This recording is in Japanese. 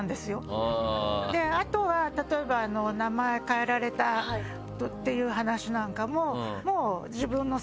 あとは例えば名前変えられたっていう話なんかも。